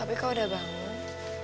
tapi kau udah bangun